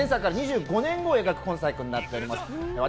前作から２５年後を描く今作となっております。